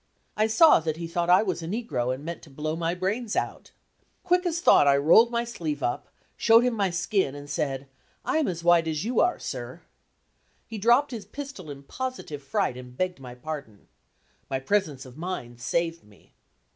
I saw that he thought I was a negro and meant to blow my brains out. Quick as thought I rolled my sleeve up, showed my skin, and said, "I am as white as you are, sir." He dropped his pistol in positive fright and begged my pardon. My presence of mind saved me.